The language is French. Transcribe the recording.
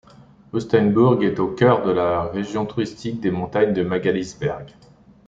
Rustenburg est au cœur de la région touristique des montagnes du Magaliesberg.